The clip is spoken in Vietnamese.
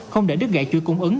không để đứt gãy chuỗi cung ứng